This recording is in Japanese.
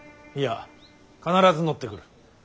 いや必ず乗ってくる。